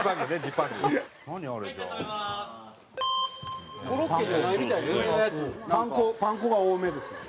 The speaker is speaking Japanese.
パン粉パン粉が多めですね。